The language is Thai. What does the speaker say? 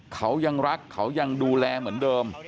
เขายังรักเขายังดูแลเหมือนเดิม